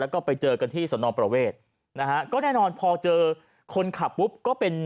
แล้วก็ไปเจอกันที่สนประเวทนะฮะก็แน่นอนพอเจอคนขับปุ๊บก็เป็น